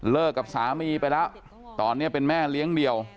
กับสามีไปแล้วตอนนี้เป็นแม่เลี้ยงเดี่ยว